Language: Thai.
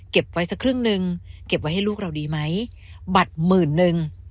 ไว้สักครึ่งหนึ่งเก็บไว้ให้ลูกเราดีไหมบัตรหมื่นนึง